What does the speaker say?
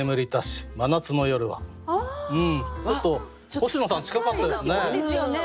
ちょっと星野さん近かったですね。